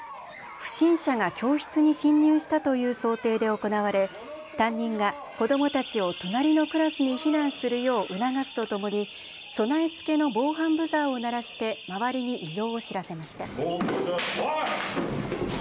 不審者が教室に侵入したという想定で行われ担任が子どもたちを隣のクラスに避難するよう促すとともに備え付けの防犯ブザーを鳴らして周りに異常を知らせました。